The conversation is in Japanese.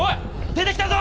出て来たぞ！